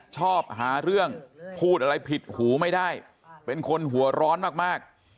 ชอบหาเรื่องพูดอะไรผิดหูไม่ได้เป็นคนหัวร้อนมาก